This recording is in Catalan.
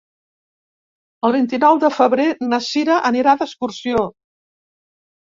El vint-i-nou de febrer na Sira anirà d'excursió.